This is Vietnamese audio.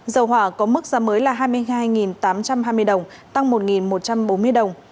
dầu hỏa có mức giá mới là hai mươi hai tám trăm hai mươi đồng tăng một một trăm bốn mươi đồng